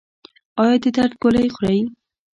ایا د درد ګولۍ خورئ؟